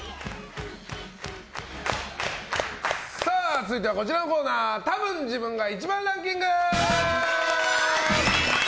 続いては、こちらのコーナーたぶん自分が１番ランキング。